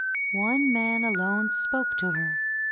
One man alone spoke to her.